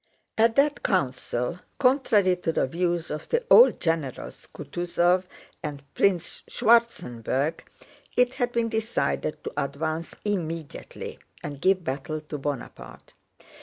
At that council, contrary to the views of the old generals Kutúzov and Prince Schwartzenberg, it had been decided to advance immediately and give battle to Bonaparte.